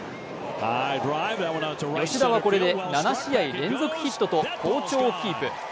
吉田はこれで７試合連続ヒットと好調をキープ。